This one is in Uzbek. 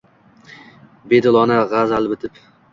Bedilona g’azal bitib